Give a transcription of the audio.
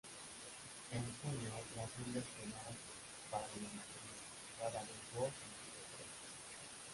En junio las hembras preñadas paren una cría, rara vez dos o incluso tres.